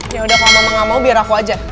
yaudah kalau mama gak mau biar aku aja